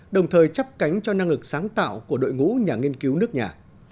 đồng thời chấp cánh cho năng lực sáng tạo của đội ngũ nhà nghiên cứu nước nhà